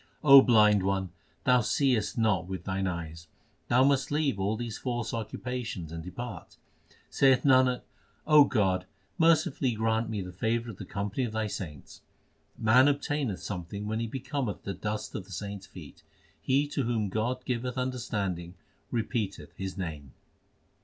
O blind one, thou seest not with thine eyes : Thou must leave all these false occupations and depart. Saith Nanak, God, mercifully grant me The favour of the company of Thy saints. Man obtaineth something when he becometh the dust of the saints feet He to whom God giveth understanding repeateth His name.